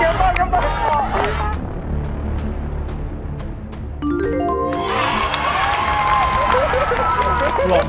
ได้ความยุติของให้ต้นเปลี่ยน